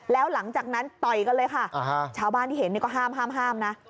แล้วหลังจากนั้นต่อยกันเลยค่ะชาวบ้านที่เห็นก็ห้ามนะ